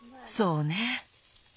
そうね。